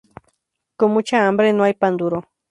Con mucha hambre no hay pan duro